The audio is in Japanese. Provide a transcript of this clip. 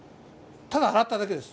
ただ洗っただけです。